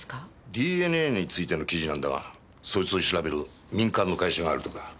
ＤＮＡについての記事なんだがそいつを調べる民間の会社があるとか。